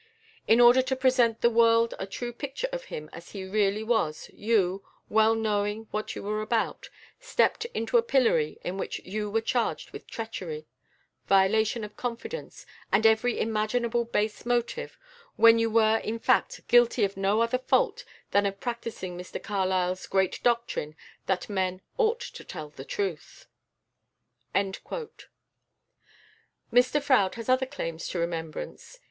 In order to present to the world a true picture of him as he really was, you, well knowing what you were about, stepped into a pillory in which you were charged with treachery, violation of confidence, and every imaginable base motive, when you were in fact guilty of no other fault than that of practising Mr Carlyle's great doctrine that men ought to tell the truth." Mr Froude has other claims to remembrance.